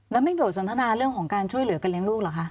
แล้วไม่โดดสนทนาเรื่องของการช่วยเหลือกันเลี้ยงลูกเหรอคะ